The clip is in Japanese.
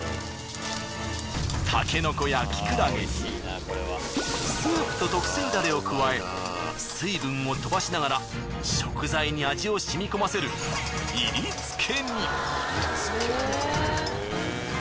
タケノコやキクラゲにスープと特製タレを加え水分を飛ばしながら食材に味をしみ込ませるいりつけに！